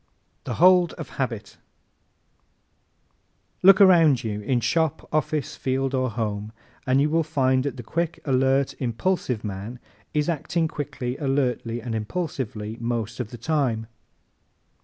The Hold of Habit ¶ Look around you in shop, office, field or home and you will find that the quick, alert, impulsive man is acting quickly, alertly and impulsively most of the time.